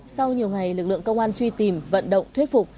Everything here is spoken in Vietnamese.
sau nhiều ngày lực lượng công an truy tìm vận động thuyết phục